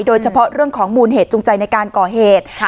โดยเฉพาะเรื่องของมูลเหตุจูงใจในการก่อเหตุ